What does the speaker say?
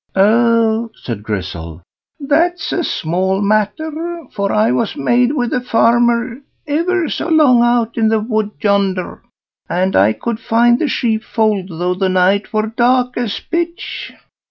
"Oh!" said Grizzel, "that's a small matter, for I was maid with a farmer ever so long out in the wood yonder, and I could find the sheepfold, though the night were dark as pitch."